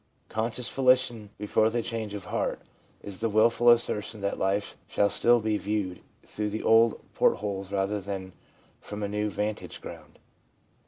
Conscious volition, before the change of heart, is the wilful assertion that life shall still be viewed through the old port holes rather than from a new vantage ground.